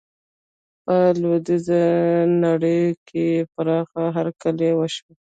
په لویدیزه نړۍ کې یې پراخه هرکلی وشو.